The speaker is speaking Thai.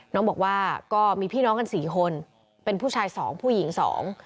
น้องบอกว่าก็มีพี่น้องกันสี่คนเป็นผู้ชายสองผู้หญิงสอง